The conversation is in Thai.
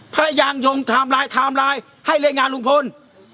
พระยางยงทำลายทำลายให้เล่นงานลุงพล